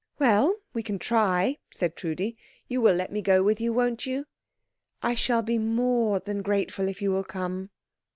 "Well, we can try," said Trudi. "You will let me go with you, won't you?" "I shall be more than grateful if you will come."